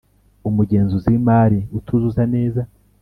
Umugenzuzi w imari utuzuza neza